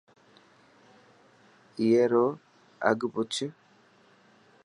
اي رو اگھه پوڇ.